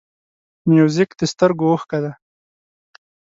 موزیک د سترګو اوښکه ده.